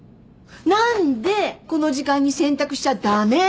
何でこの時間に洗濯しちゃ駄目なの？